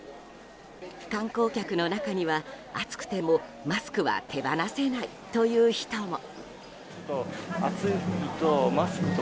観光客の中には、暑くてもマスクは手放せないという人も。